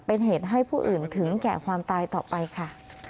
เป็นเหตุให้ผู้อื่นถึงแก่ความตายต่อไปค่ะ